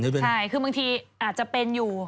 ใช่คือบางทีอาจจะเป็นอยู่